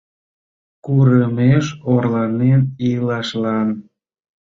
Курымеш орланен илашлан.